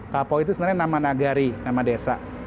kapau itu sebenarnya nama nagari nama desa